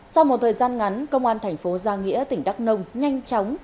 sau một thời gian ngắn công an thành phố gia nghĩa tỉnh đắk nông nhanh chóng